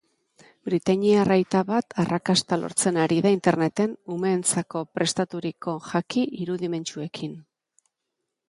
Britainiar aita bat arrakasta lortzen ari da interneten umeentzako prestaturiko jaki irudimentsuekin.